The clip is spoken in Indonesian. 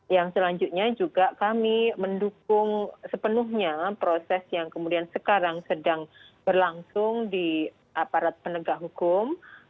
yang selanjutnya juga kami mendukung sepenuhnya proses yang kemudian sekarang sedang berlangsung di aparat penegak hukum